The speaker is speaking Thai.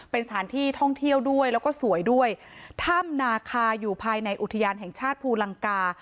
เป็นสถานที่ท่องเที่ยวด้วยแล้วก็สวยด้วยถ้ำนาคาอยู่ภายในอุทยานแห่งชาติภูลังกา